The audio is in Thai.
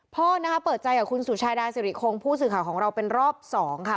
พ่อนะคะเปิดใจกับคุณสุชาดาสิริคงผู้สื่อข่าวของเราเป็นรอบสองค่ะ